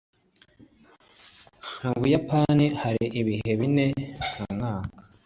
Mu Buyapani hari ibihe bine mu mwaka.